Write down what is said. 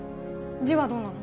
字はどんなの？